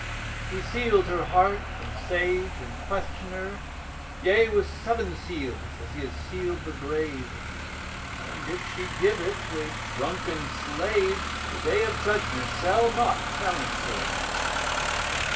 He sealed her heart from sage and questioner Yea, with seven seals, as he has sealed the grave. And if she give it to a drunken slave, The Day of Judgment shall not challenge her.